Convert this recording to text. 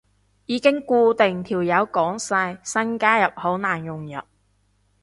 已經固定幾條友講晒，新加入好難融入